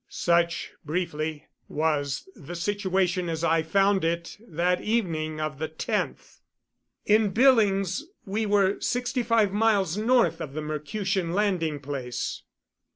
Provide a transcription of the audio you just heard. Such, briefly, was the situation as I found it that evening of the 10th. In Billings we were sixty five miles north of the Mercutian landing place.